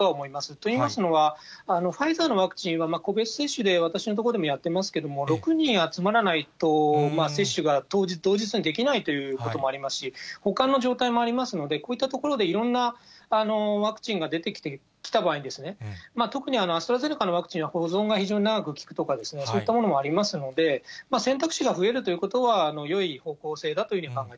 といいますのは、ファイザーのワクチンは、個別接種で私の所でもやってますけれども、６人集まらないと、接種が同日にできないということもありますし、保管の状態もありますので、こういったところで、いろんなワクチンが出てきた場合に、特にアストラゼネカのワクチンは保存が非常に長く利くとかそういったものもありますので、選択肢が増えるということは、よい方向